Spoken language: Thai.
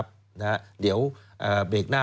ชูเว็ดตีแสดหน้า